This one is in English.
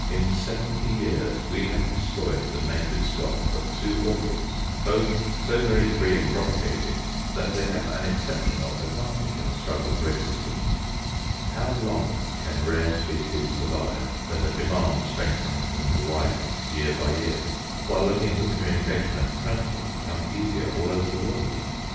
In seventy years we have destroyed the native stock of two orchids, both so very free in propagating that they have an exceptional advantage in the struggle for existence. How long can rare species survive, when the demand strengthens and widens year by year, while the means of communication and transport become easier over all the world?